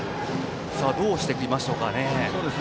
どうしてきましょうかね。